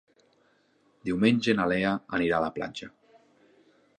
Diumenge na Lea anirà a la platja.